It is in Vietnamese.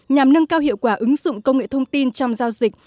nhằm nâng cao hiệu quả ứng dụng công nghệ thông tin trong giao dịch